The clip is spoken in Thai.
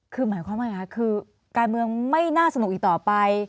คือหมายความว่าไงคะคือการเมืองไม่น่าสนุกอีกต่อไป